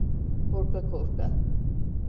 Korka korka…